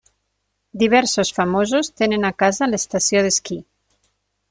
Diversos famosos tenen casa a l'estació d'esquí.